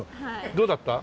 どうだった？